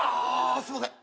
すいません。